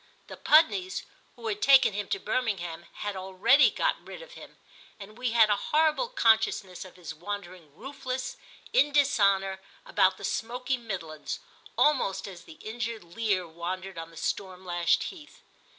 The Pudneys, who had taken him to Birmingham, had already got rid of him, and we had a horrible consciousness of his wandering roofless, in dishonour, about the smoky Midlands, almost as the injured Lear wandered on the storm lashed heath.